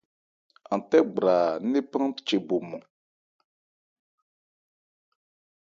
An tɛ́ gbraa ńnephan che bo mɔn.